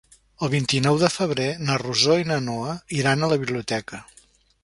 El vint-i-nou de febrer na Rosó i na Noa iran a la biblioteca.